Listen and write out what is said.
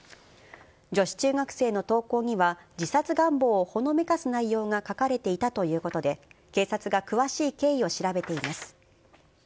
女子中学生の投稿には、自殺願望をほのめかす内容が書かれていたということで、警察が詳しい経緯を調べています。